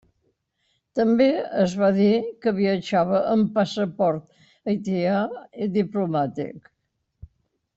També es va dir que viatjava amb passaport haitià diplomàtic.